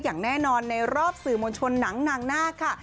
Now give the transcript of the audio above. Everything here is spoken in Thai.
อย่างแน่นอนในรอบสื่อมวลชนหนังนางนาคค่ะ